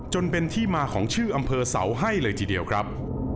จนเป็นที่มาของชื่ออำเภอเสาให้เลยทีเดียวครับ